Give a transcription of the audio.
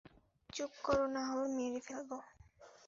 চুপ কর, নাহলে মেরে ফেলবো।